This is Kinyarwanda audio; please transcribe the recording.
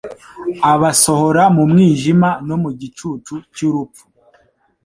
abasohora mu mwijima no mu gicucu cy’urupfu